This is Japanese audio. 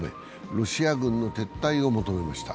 ロシア軍の撤退を求めました。